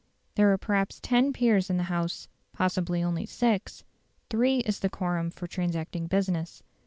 There are perhaps ten peers in the House, possibly only six; three is the quorum for transacting business.